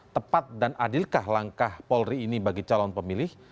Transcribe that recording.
tepat dan adilkah langkah polri ini bagi calon pemilih